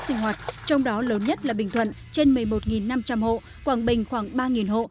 sinh hoạt trong đó lớn nhất là bình thuận trên một mươi một năm trăm linh hộ quảng bình khoảng ba hộ